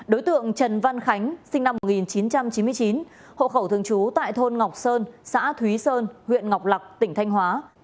đối tượng trần văn khánh sinh năm một nghìn chín trăm chín mươi chín hộ khẩu thường trú tại thôn ngọc sơn xã thúy sơn huyện ngọc lạc tỉnh thanh hóa